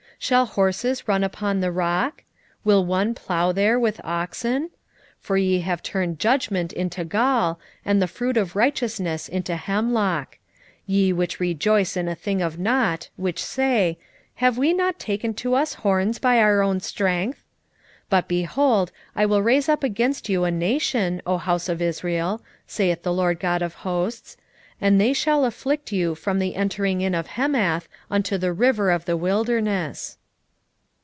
6:12 Shall horses run upon the rock? will one plow there with oxen? for ye have turned judgment into gall, and the fruit of righteousness into hemlock: 6:13 Ye which rejoice in a thing of nought, which say, Have we not taken to us horns by our own strength? 6:14 But, behold, I will raise up against you a nation, O house of Israel, saith the LORD the God of hosts; and they shall afflict you from the entering in of Hemath unto the river of the wilderness.